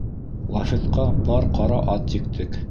Лафетҡа пар ҡара ат ектек.